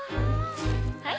はい。